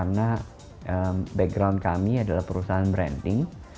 karena background kami adalah perusahaan branding